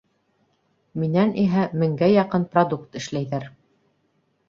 Минән иһә меңгә яҡын продукт эшләйҙәр.